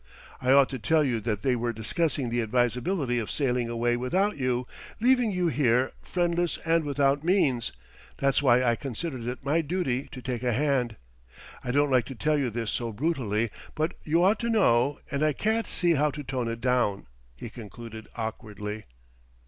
I ought to tell you that they were discussing the advisability of sailing away without you leaving you here, friendless and without means. That's why I considered it my duty to take a hand.... I don't like to tell you this so brutally, but you ought to know, and I can't see how to tone it down," he concluded awkwardly.